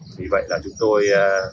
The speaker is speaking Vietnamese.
vì vậy là chúng tôi